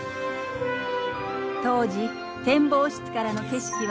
当時展望室からの景色は大人気に。